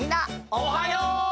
おはよう！